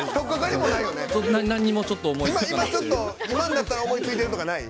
何もちょっと思いつかない。